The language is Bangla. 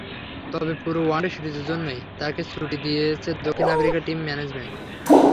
তবে পুরো ওয়ানডে সিরিজের জন্যই তাঁকে ছুটি দিয়েছে দক্ষিণ আফ্রিকা টিম ম্যানেজমেন্ট।